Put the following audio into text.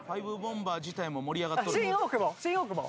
新大久保。